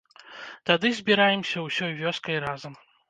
Тады збіраемся ўсёй вёскай разам.